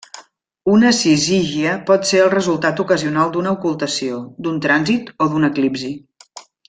Una sizígia pot ser el resultat ocasional d'una ocultació, d'un trànsit, o d'un eclipsi.